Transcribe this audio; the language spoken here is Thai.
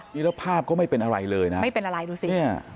นี่แล้วภาพก็ไม่เป็นอะไรเลยนะไม่เป็นอะไรดูสิเนี่ย